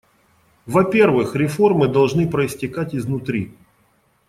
Во-первых, реформы должны проистекать изнутри.